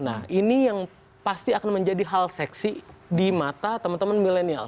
nah ini yang pasti akan menjadi hal seksi di mata teman teman milenial